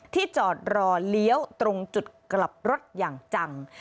จอดรอเลี้ยวตรงจุดกลับรถอย่างจัง